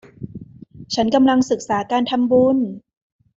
ฉันกำลังศึกษาการทำบุญ